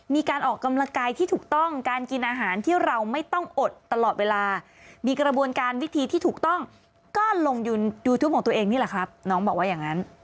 มีการออกกำลังกายที่ถูกต้อง